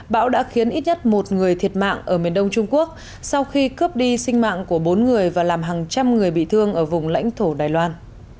bão đã khiến ít nhất một người thiệt mạng ở miền đông trung quốc sau khi cướp đi sinh mạng của bốn người và làm hàng trăm người bị thương ở vùng lãnh thổ đài loan